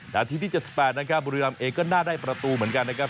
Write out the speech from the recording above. นาทีที่๗๘นะครับบุรีรำเองก็น่าได้ประตูเหมือนกันนะครับ